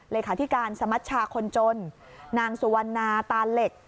เลขาธิการสมัชชาคนจนนางสุวรรณาตาเหล็ก